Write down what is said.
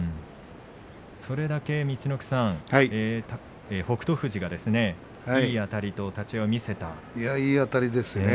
それだけ陸奥さん北勝富士が、いいあたりといいあたりですね。